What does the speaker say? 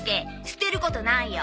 捨てることないよ。